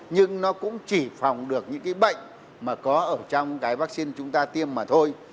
nhưng nó cũng chỉ phòng được những cái bệnh mà có ở trong cái vaccine chúng ta tiêm mà thôi